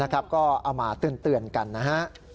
ก็เอามาเตือนกันนะฮะ